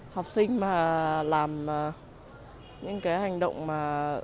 học sinh mà làm những cái hành động mà